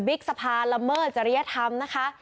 สภาละเมิดจริยธรรมนะคะ